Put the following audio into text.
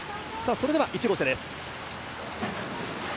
それでは、１号車です。